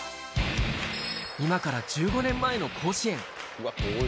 今から１５年前の甲子園。